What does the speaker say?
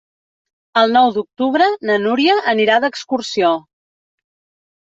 El nou d'octubre na Núria anirà d'excursió.